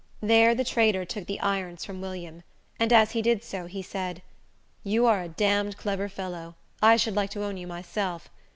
There the trader took the irons from William, and as he did so, he said, "You are a damned clever fellow. I should like to own you myself.